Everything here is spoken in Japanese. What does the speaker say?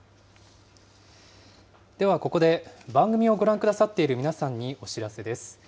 ではここで、番組をご覧くださっている皆さんにお知らせです。